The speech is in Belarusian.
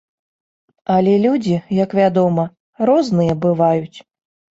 Але людзі, як вядома, розныя бываюць.